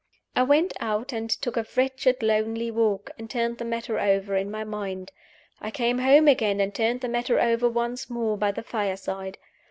I went out and took a wretched, lonely walk, and turned the matter over in my mind. I came home again, and turned the matter over once more by the fireside.